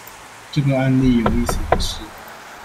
這個案例有意思的是